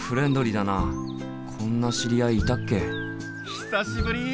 久しぶり！